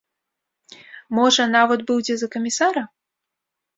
Можа, нават быў дзе за камісара?